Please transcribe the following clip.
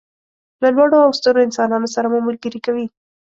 له لوړو او سترو انسانانو سره مو ملګري کوي.